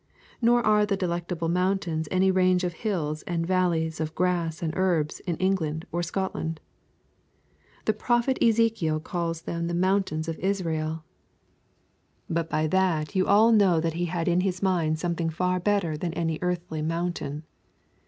Nor are the Delectable Mountains any range of hills and valleys of grass and herbs in England or Scotland. The prophet Ezekiel calls them the mountains of Israel; but by that you all know that he had in his mind something far better than any earthly mountain.